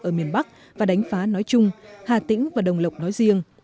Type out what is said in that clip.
ở miền bắc và đánh phá nói chung hà tĩnh và đồng lộc nói riêng